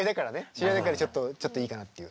知り合いだからちょっといいかなっていう。